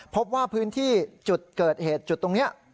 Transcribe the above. พบว่าพื้นที่จุดเกิดเหตุจุดตรงนี้